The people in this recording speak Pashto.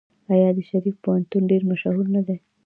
آیا د شریف پوهنتون ډیر مشهور نه دی؟